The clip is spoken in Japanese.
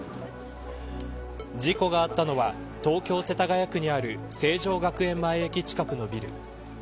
事故があったのは東京、世田谷区にある成城学園前駅近くのビル。